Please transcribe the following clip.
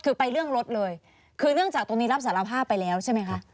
คือไปเรื่องรถเลยคือเนื่องจากตรงนี้รับสารภาพไปแล้วใช่ไหมคะ